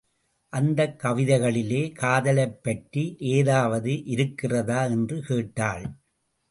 அந்தக் கவிதைகளிலே காதலைப் பற்றி ஏதாவது இருக்கிறதா? என்று கேட்டாள்.